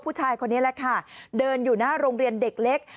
ผู้ชายคนนี้แหละค่ะเดินอยู่หน้าโรงเรียนเด็กเล็ก